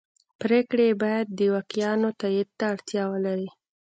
پرېکړې یې باید د دوکیانو تایید ته اړتیا ولري.